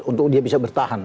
untuk dia bisa bertahan